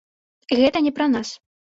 Гэта не пра нас.